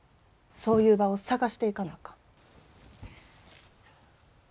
そういう場を探していかなあかん。